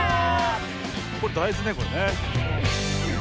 これだいずねこれね。